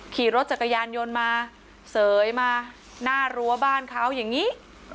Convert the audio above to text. ขี่รถจักรยานยนต์มาเสยมาหน้ารั้วบ้านเขาอย่างนี้